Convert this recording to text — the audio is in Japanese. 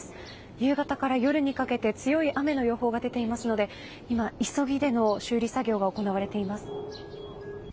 夕方から夜にかけて強い雨の予報が出ていますので急ぎでの修理作業が行われています。